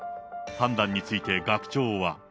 判断について学長は。